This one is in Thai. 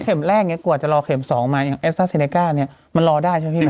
แข่มแรกเดี๋ยวกลัวจะรอแข่ม๒มาแอสการ์ซินเนกามันรอได้ใช่ปะพี่